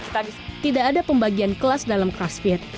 tapi tidak ada pembagian kelas dalam crossfit